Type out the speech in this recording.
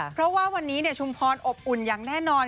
เพราะว่าวันนี้ชุมพรอบอุ่นอย่างแน่นอน